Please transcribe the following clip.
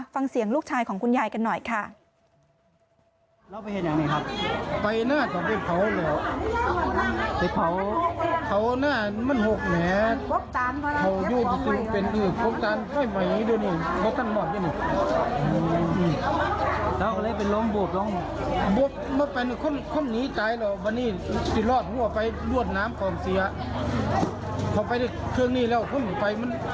ฟังเสียงลูกชายของคุณยายกันหน่อยค่ะ